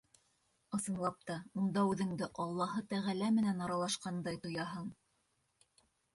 Ысынлап та, унда үҙеңде Аллаһы Тәғәлә менән аралашҡандай тояһың.